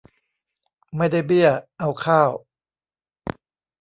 ไม่ได้เบี้ยเอาข้าว